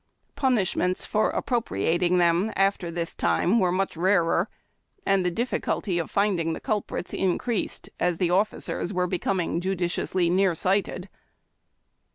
Punishments for appropriating them after this time were much rarer, and the difficulty of finding the culprits increased, as the officers were becoming judiciously near sighted.